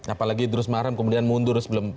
apalagi terus marem kemudian mundur sebelum